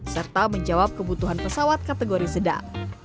serta menjawab kebutuhan pesawat kategori sedang